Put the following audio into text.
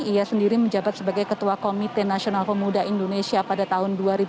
ia sendiri menjabat sebagai ketua komite nasional pemuda indonesia pada tahun dua ribu dua